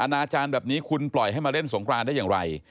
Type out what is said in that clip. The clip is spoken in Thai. นาจารย์แบบนี้คุณปล่อยให้มาเล่นสงครานได้อย่างไร